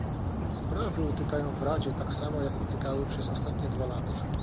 Sprawy utykają w Radzie, tak samo jak utykały przez ostatnie dwa lata